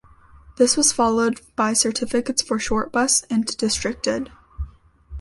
This was followed by certificates for "Shortbus" and "Destricted".